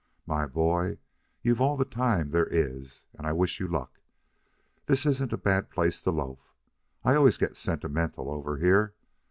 My boy, you've all the time there is, and I wish you luck. This isn't a bad place to loaf. I always get sentimental over here.